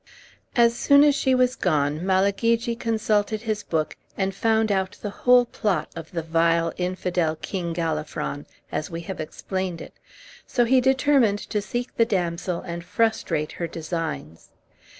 As soon as she was gone Malagigi consulted his book, and found out the whole plot of the vile, infidel king, Galafron, as we have explained it, so he determined to seek the damsel and frustrate her designs.